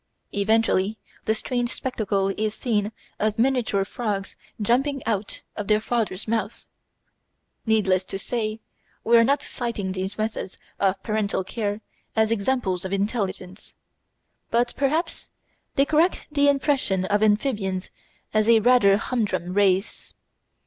Eventually the strange spectacle is seen of miniature frogs jumping out of their father's mouth. Needless to say we are not citing these methods of parental care as examples of intelligence; but perhaps they correct the impression of amphibians as a rather humdrum race.